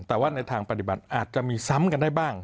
แต่ว่าในทางปฏิบัติอาจจะมีซ้ำกันได้บ้าง